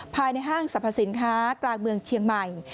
ภายในห้างสรรพสินค้ากลางเมืองเชียงใหม่